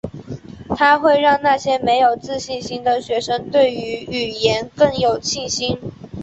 它会让那些没有自信心的学生对于语言更有信心。